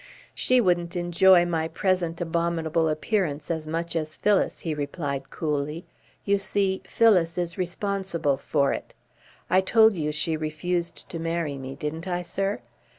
"She wouldn't enjoy my present abominable appearance as much as Phyllis," he replied, coolly. "You see, Phyllis is responsible for it. I told you she refused to marry me, didn't I, sir?